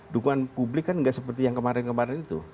dukungan publik kan nggak seperti yang kemarin kemarin itu